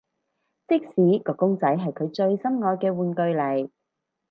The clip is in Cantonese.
即使個公仔係佢最心愛嘅玩具嚟